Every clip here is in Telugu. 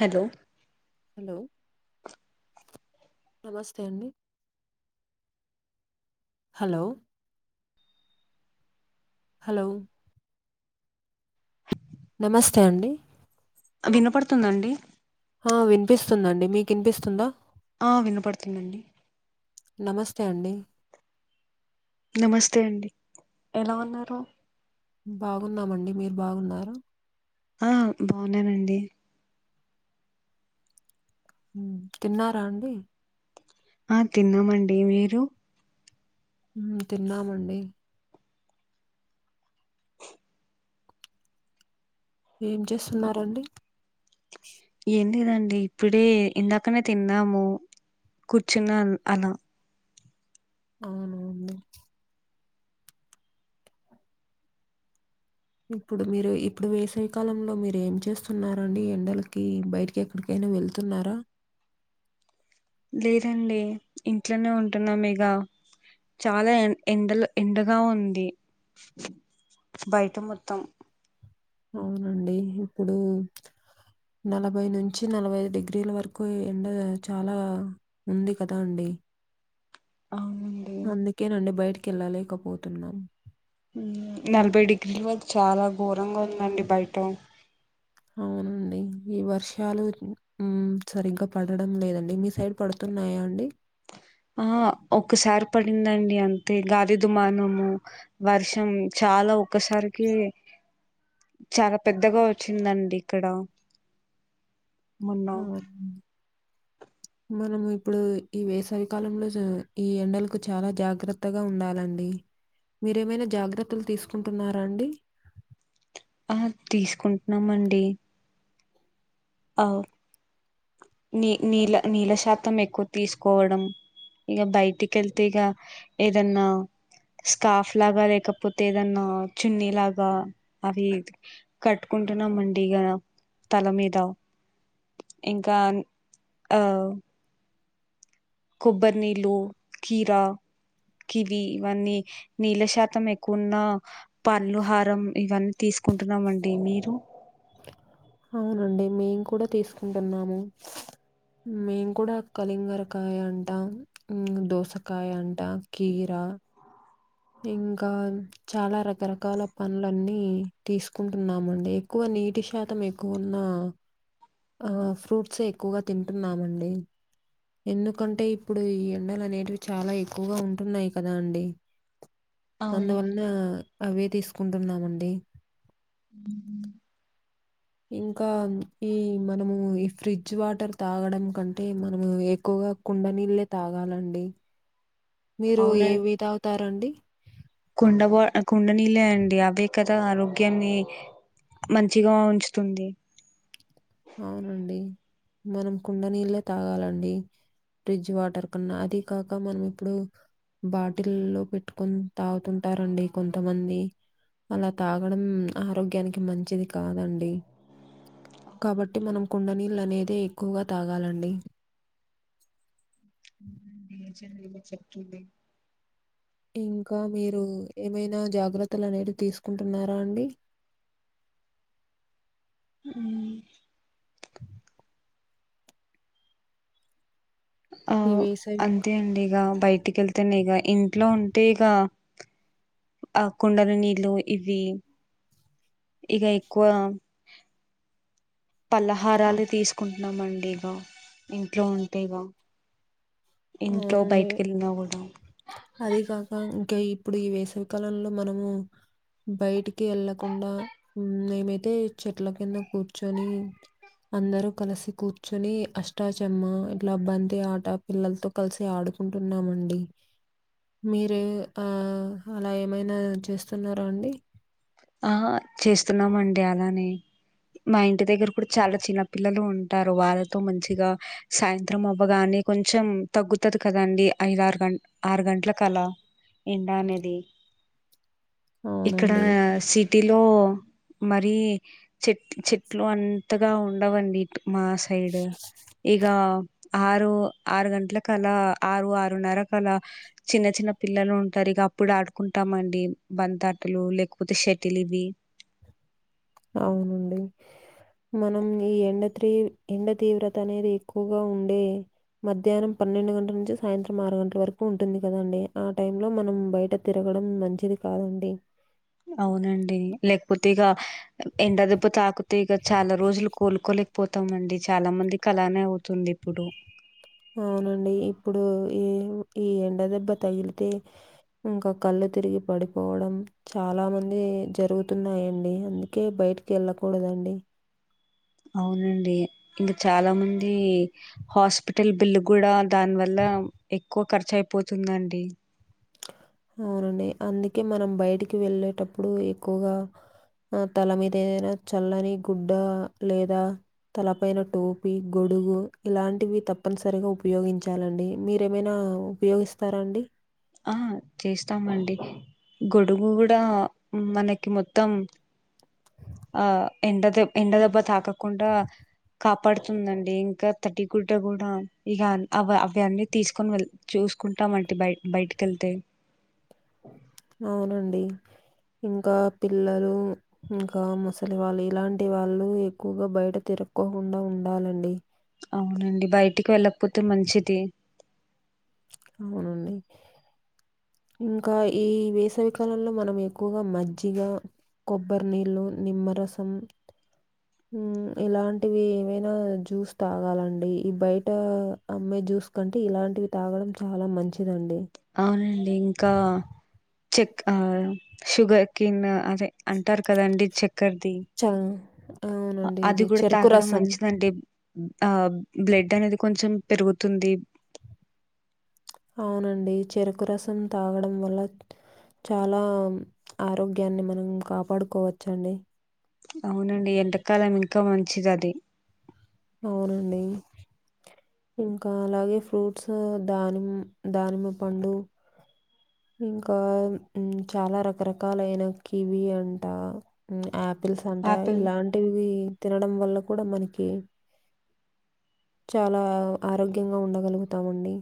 హలో హలో నమస్తే అండి హలో హలో నమస్తే అండి అ వినపడుతుందా అండి ఆ వినిపిస్తుందండి మీకిన్పిస్తుందా ఆ వినపడుతుందండి నమస్తే అండి నమస్తే అండి ఎలా ఉన్నారు బాగున్నామండి మీరు బాగున్నార ఆ బావున్నానండి ఉమ్ తిన్నారా అండి ఆ తిన్నామండి మీరు ఊ తిన్నామండి ఏం చేస్తున్నారండి ఏం లేదండి ఇప్పుడే ఇందాకనే తిన్నాము కూర్చున్నాన్ అలా అవునా అండి ఇప్పుడు మీరు ఇప్పుడు వేసవి కాలంలో మీరు ఏం చేస్తున్నారండి ఎండలకీ బైట్ కెక్కడికైనా వెళ్తున్నారా లేదండి ఇంట్లనే ఉంటున్నాం ఇగ చాలా ఎన్ ఎండలు ఎండగా ఉంది బయట మొత్తం అవునండి ఇప్పుడూ నలభై నుంచి నలభై ఐదు డిగ్రీల వరకు ఈ ఎండ చాలా ఉంది కదా అండి అవును అందుకేనండి బయటికెళ్ళలేకపోతున్నాం ఉమ్ నలభై డిగ్రీల వరకు చాలా ఘోరంగా ఉందండి బయట అవునండి ఈ వర్షాలు ఉమ్ సరిగ్గ పడడం లేదండి మీ సైడ్ పడుతున్నాయా అండి ఆ ఒక్కసారి పడిందండి అంతే గాది దుమానము వర్షం చాల ఒక్కసారికే చాల పెద్దగా వచ్చిందండి ఇక్కడ మొన్న అవునా మనము ఇప్పుడూ ఈ వేసవికాలంలో జ ఈ ఎండలకు చాల జాగ్రత్తగా ఉండాలండి మీరేమైన జాగ్రత్తలు తీసుకుంటున్నారా అండి ఆ తీసుకుంట్నామండి అవు నీ నీళ నీల శాతం ఎక్కువ తీసుకోవడం ఇగ బయటికెళ్తే ఇగా ఏదన్నా స్కార్ఫ్ లాగా లేకపోతే ఏదన్నా చున్నీ లాగా అవి కట్టుకుంటున్నామండి ఇగ తల మీద ఇంకా ఆ కొబ్బరి నీళ్ళూ, కీరా కివి ఇవన్నీ నీళ్ళ శాతం ఎక్కువున్నా పండ్లు హారం ఇవన్ తీసుకుంటున్నామండి మీరు అవునండి మేమ్ కూడ తీసుకుంటున్నాము మేం కూడా కలింగరకాయ అంటా ఊ దోసకాయ అంట కీరా ఇంకా చాలా రకరకాల పండ్లన్నీ తీసుకుంటున్నామండి ఎక్కువ నీటి శాతం ఎక్కువ ఉన్నా ఆ ఫ్రూట్సే ఎక్కువగా తింటున్నామండి ఎందుకంటే ఇప్పుడు ఈ ఎండలు అనేటివి చాలా ఎక్కువగా ఉంటున్నాయి కదా అండి అందువలన అవే తీసుకుంటున్నామండి ఉ ఇంకా ఈ మనము ఈ ఫ్రిడ్జ్ వాటర్ తాగడం కంటే మనము ఎక్కువగా కుండ నీళ్ళే తాగాలండి. మీరు అవునండి ఏవీ తాగుతారండి కుండ వా కుండ నీళ్ళ అండి అవే కదా ఆరోగ్యాన్ని మంచిగా ఉంచుతుంది. అవునండి. మనం కుండ నీళ్ళే తాగాలండి. ఫ్రిడ్జ్ వాటర్ కన్నా అది కాక మనం ఇప్పుడు బాటిల్లో పెట్టుకుని తాగుతుంటారండి కొంతమంది అలా తాగడం ఆరోగ్యానికి మంచిది కాదండి. కాబట్టి మనం కుండ నీళ్ళ అనేదే ఎక్కువగా తాగాలండి. [inaudible] చెప్పతూంది ఇంకా మీరు ఏమైనా జాగ్రత్తలు అనేది తీసుకుంటున్నారా అండి. మ్ ఆ ఈ వేసవి అంతే అండి ఇక బయటికి వెళ్తేనే ఇక ఇంట్లో ఉంటే ఇక ఆ కుండల నీళ్ళు ఇవి ఇక ఎక్కువ పల్లహారాలు తీసుకుంటున్నామ అండి ఇగ ఇంట్లో ఉంటే ఇగ ఇంట్లో బయటిక వెళ్ళినా కూడా అదే కాక ఇంకా ఇప్పుడు ఈ వేసవికాలంలో మనము బయటికి వెళ్ళకుండా మేమైతే చెట్ల కింద కూర్చొని అందరు కలిసి కూర్చొని అష్టాచమ్మ ఇట్లా బంతి ఆట పిల్లలతో కలిసి ఆడుకుంటున్నామండి. మీరు ఆ అలా ఏమైనా చేస్తున్నారా అండి. ఆ చేస్తున్నామండి అలానే మా ఇంటి దగ్గర కూడా చాలా చిన్న పిల్లలు ఉంటారు వాళ్ళతో మంచిగా సాయంత్రం అవ్వగానే కొంచెం తగ్గుతాది కదండి ఐదరు గంట ఆరు గంటలకలా ఎండా అనేది ఇక్కడ అవునండి సిటీలో మరి చెట్ చెట్లు అంతగా ఉండవండి మా సైడ్ ఇగ ఆరు ఆరు గంటల కల ఆరు ఆరున్నర కల చిన్న చిన్న పిల్లలు ఉంటారు ఇక అప్పుడు ఆడుకుంటామండి బంతాటలు లేకపోతే షట్ తెలిబి అవునండి మనం ఈ ఎండ త్రీ ఎండ తీవ్రత అనేది ఎక్కువగా ఉండే మధ్యానం పన్నెండు గంటల నుంచి సాయంత్రం ఆరు గంటల వరకు ఉంటుంది కదండి ఆ టైమ్ లో మనం బయట తిరగడం మంచిది కాదండి అవునండి లేకపోతే ఇక ఎండ దెబ్బ తాకుతే ఇక చాలా రోజులు కోలుకోలేకపో తం అండి చాలా మందికలానే అవుతుందిప్పుడు అవునండి ఇప్పుడు ఏం ఈ ఎండ దెబ్బ తగిలితే ఇంక కళ్ళు తిరిగి పడిపోవడం చాలా మంది జరుగుతున్నాయంండి అందుకే బయటికి ఎళ్ళకూడదండి అవునండి ఇంకా చాలా మంది హాస్ పిటల్ బిల్లు కూడా దానివల్ల ఎక్కువ ఖర్చు అయిపోతుందండి అవునండి అందుకే మనం బయటికి వెళ్ళేటప్పుడు ఎక్కువగా ఆ తల మీద ఏదైనా చల్లని గుడ్డ లేదా తలపైన టోపి గొడుగు ఇలాంటివి తప్పనిసరిగా ఉపయోగించాలండి మీరేమైనా ఉపాయోగిస్తారండి ఆ చేస్తామండి గొడుగు కూడా మనకి మొత్తం ఆ ఎండ దె ఎండ దెబ్బ తాకకుండా కాపాడుతుందండి ఇంకా తటిగుడ్డ కూడా ఇక అవ అవన్నీ తీసుకొని వెల్ చూసుకుంటాం అంటే బయ బయటికెళ్తే అవునండి ఇంకా పిల్లలు ఇంకా ముసలివాళ్ళు ఇలాంటి వాళ్ళు ఎక్కువగా బయట తిరక్కోకుండా ఉండాలండి అవునండి బయటికి వెళ్ళకపోతే మంచిది అవునండి ఇంకా ఈ వేసవికాలంలో మనం ఎక్కువగా మజ్జిగా కొబ్బరి నీళ్ళు, నిమ్మరసం ఉ ఇలాంటివి ఏమైనా జ్యూస్ తాగాలండి ఈ బయటా అమ్మే జ్యూస్ కంటే ఇలాంటివి తాగడం చాలా మంచిదండి అవునండి ఇంకా చెక్ ఆ షుగర్ కెన్ అదే అంటారు కదండి చెక్ క్కర్ది చా అవునండి. అది ఇది కూడా చెరుకు తాగడం రసం. మంచిదండి ఆ బ్లడ్ అనేది కొంచెం పెరుగుతుంది అవునండి చెరుకు రసం తాగడం వల్ల చాలా ఆరోగ్యాన్ని మనం కాపాడుకోవచ్చండి అవునండి ఎండకాలం ఇంకా మంచిది అది అవునండి ఇంకా అలాగే ఫ్రూట్స్ దానిమ్ దానిమ్మ పండు ఇంకా ఉమ్ చాలా రకరకాలయిన కివి అంటా ఆపిల్స్ అంట ఆపిల్ హ్మ్. ఇలాంటివి తినడం వల్ల కూడా మనకి చాలా ఆరోగ్యంగా ఉండగలుగుతామండి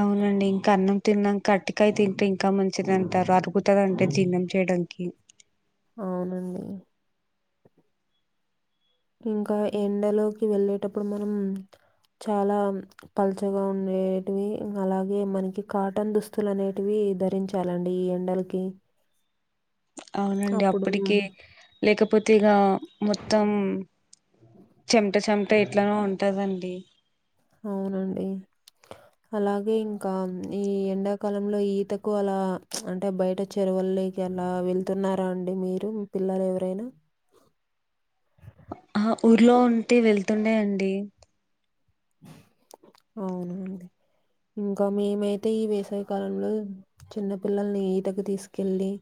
అవునండి ఇంక అన్నం తిన్నాక అట్టికాయ తింటే ఇంకా మంచిది అంటారు అరుగుతది అంటే జీర్ణం చేయడానికి అవునండి ఇంకా ఎండలోకి వెళ్ళేటప్పుడు మనం చాలా పలుచగా ఉండేటివి అలాగే మనకి కాటన్ దుస్తుల నేటివి ధరించ్ చాలండి ఈ ఎండలకి అవునండి అప్పుడు అప్పడికే లేకపోతే ఇగా మొత్తం చెమట చెమట ఎట్లానే ఉంటదండి అవునండి అలాగే ఇంకాం ఈ ఎండాకాలంలో ఈతకు అలా అంటే బయట చెరువుల్లోకి అలా వెళ్తున్నారా అండి మీరు మీ పిల్లల్ ఎవరైనా అహ్ ఊర్లో ఉంటే వెళ్తుండే అండి అవునండి ఇంకా మేమైతే ఈ వేసవి కాలంలో చిన్న పిల్లల్ని ఈతకి తీసుకెళ్ళీ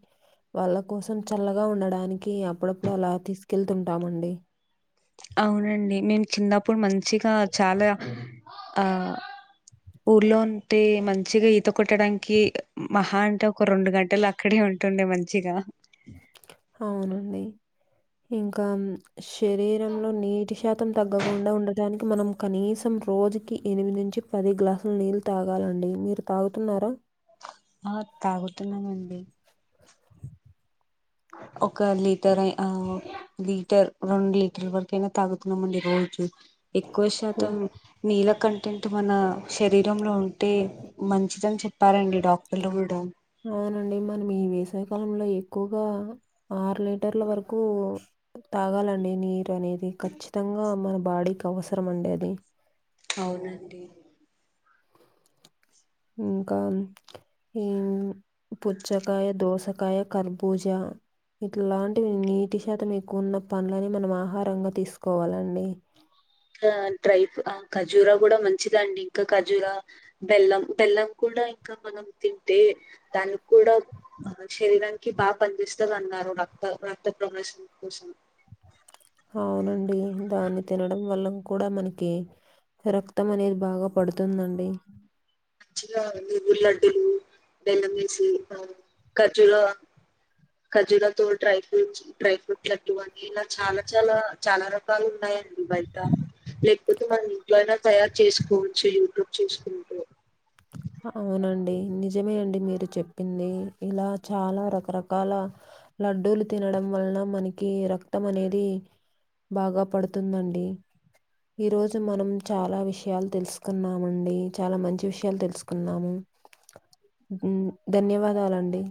వాళ్ళ కోసం చల్లగా ఉండడానికి అప్పుడప్పుడు అలా తీసుకెళ్తుంటామండి అవునండి మేమ్ చిన్నప్పుడు మంచిగా చాలా ఆ ఊర్లో ఉంటే మంచిగా ఈత కొట్టడానికి మహా అంటే ఒక రెండు గంటల అక్కడే ఉంటుండే మంచిగా అవునండి ఇంకామ్ శరీరంలో నీటి శాతం తగ్గకుండా ఉండటాని మనం కనీసం రోజుకి ఎనిమిది నుంచి పది గ్లాసులు నీళ్ళు తాగాలండి మీరు తాగుతున్నారా ఆ తాగుతున్నమండి ఒక లీటరై ఆ లీటర్ రెండు లీటర్ల వరకయినా తాగుతున్నామండి రోజు ఎక్కువ హ్మ్. శాతం నీళ్ళ కంటెంట్ మన శరీరంలో ఉంటే మంచిదన్ చెప్పారండి డాక్టర్లు కూడా అవునండి మనం ఈ వేసయ కాలంలో ఎక్కువగా ఆరు లీటర్ల వరకు తాగాలండి నీరనేది ఖచ్చితంగా మన బాడీక వసరం అండి అది అవునండి ఇంకామ్ ఊమ్ పుచ్చకాయ దోసకాయ కర్బూజ ఇట్లాంటివి నీటి శాతం ఎక్కువ ఉన్న పనులని మనం ఆహారంగా తీసుకోవాలండి కా డ్రై ప్ అ ఖజూరా గూడా మంచిదండి ఇంకా ఖజూరా బెల్లం బెల్లం కూడా ఇంకా మనం తింటే దానిక్కూడా మన శరీరానికి బాగా పన్ జెస్తద్ అన్నారు రక్త రక్త ప్రవేశం కోసం అవునండి దాన్ని తినడం వల్లన్ కూడా మనకి రక్తం అనేది బాగా పడుతుందండి చిల్లా నువ్వుల్లడ్డులు బెల్లమేసి అ ఖజ్జుల ఖజ్జురతో dry fruit dry fruit laddu అన్ ఈలా చాలా చాలా చాలా రకాల్ ఉన్నాయండి బయట లేకపోతే మనం ఇంట్లో అయినా తయారు చేసుకోవచ్చు యూట్యూబ్ చేసుకుంటూ అవునండి నిజమే అండి మీరు చెప్పింది ఇలా చాలా రకరకాల లడ్డూలు తినడం వల్లన మనకి రక్తం అనేది బాగా పడుతుందండి ఈ రోజు మనం చాలా విషయాల్ తెలుసుకున్నామండి చాలా మంచి విషయాల్ తెలుసు అన్నాము ఉం ధన్యవాదాలండి